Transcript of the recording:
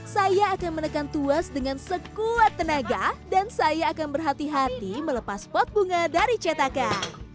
saya akan menekan tuas dengan sekuat tenaga dan saya akan berhati hati melepas pot bunga dari cetakan